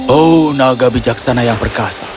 oh naga bijaksana yang perkasa